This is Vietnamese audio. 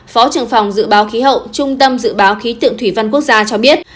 phó trưởng phòng dự báo khí hậu trung tâm dự báo khí tượng thủy văn quốc gia cho biết